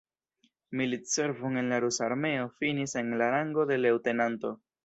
Militservon en la rusa armeo finis en la rango de leŭtenanto.